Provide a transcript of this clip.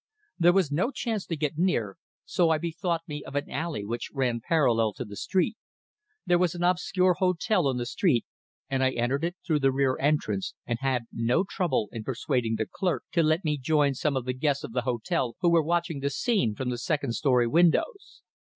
There was no chance to get near, so I bethought me of an alley which ran parallel to the street. There was an obscure hotel on the street, and I entered it through the rear entrance, and had no trouble in persuading the clerk to let me join some of the guests of the hotel who were watching the scene from the second story windows.